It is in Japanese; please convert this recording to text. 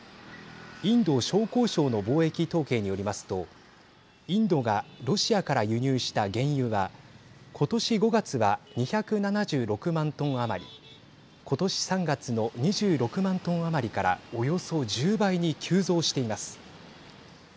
インド商工省の貿易統計によりますとインドがロシアから輸入した原油はことし５月は、２７６万トン余りことし３月の２６万トン余りからおよそ１０倍に急増しています。